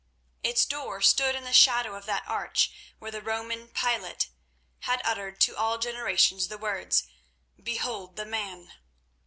Its door stood in the shadow of that arch where the Roman Pilate had uttered to all generations the words "Behold the man!"